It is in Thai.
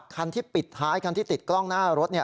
คันที่ปิดท้ายคันที่ติดกล้องหน้ารถ